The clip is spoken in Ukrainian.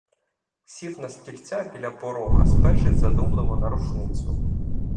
Сів на стільця біля порога, спершись задумливо на рушницю.